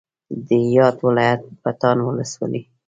د یاد ولایت پټان ولسوالۍ